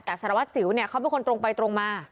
แต่สารวัสสิวเนี่ยเขาเป็นคนตรงไปตรงมา